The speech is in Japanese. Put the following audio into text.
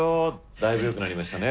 だいぶよくなりましたね。